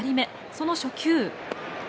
その初球。